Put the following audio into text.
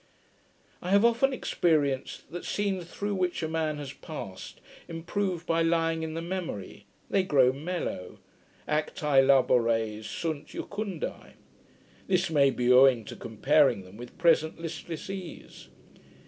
I have often experienced, that scenes through which a man has passed, improve by lying in the memory: they grow mellow. Acti labores sunt jucundi. This may be owing to comparing them with present listless ease.